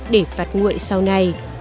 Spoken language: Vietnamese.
để phạt nguội sau này